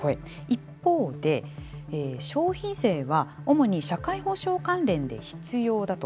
一方で、消費税は主に社会保障関連で必要だと。